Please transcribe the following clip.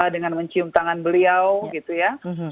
dengan mencium tangan beliau gitu ya